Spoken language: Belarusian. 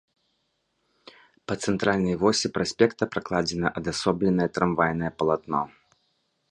Па цэнтральнай восі праспекта пракладзена адасобленае трамвайнае палатно.